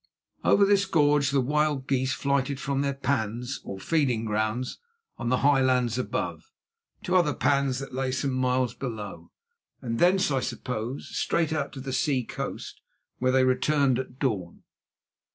Over this gorge the wild geese flighted from their pans or feeding grounds on the high lands above, to other pans that lay some miles below, and thence, I suppose, straight out to the sea coast, whence they returned at dawn.